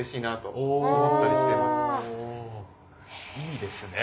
いいですね。